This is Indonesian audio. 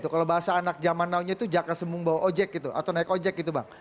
kalau bahasa anak zaman now nya itu jaka sembung bawa ojek gitu atau naik ojek gitu bang